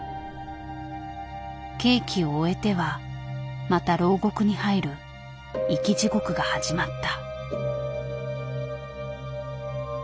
刑期を終えてはまた牢獄に入る生き地獄が始まった。